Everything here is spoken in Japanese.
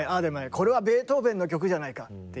これはベートーベンの曲じゃないかって言って。